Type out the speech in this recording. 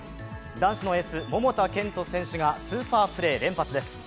男子のエース、桃田賢斗選手がスーパープレー連発です。